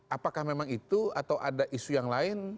apakah memang itu atau ada isu yang lain